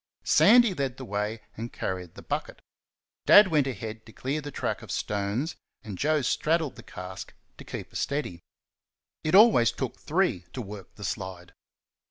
Sandy led the way and carried the bucket; Dad went ahead to clear the track of stones; and Joe straddled the cask to keep her steady. It always took three to work the slide.